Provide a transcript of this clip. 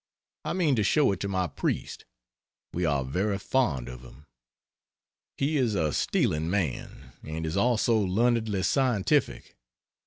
I mean to show it to my priest we are very fond of him. He is a stealing man, and is also learnedly scientific.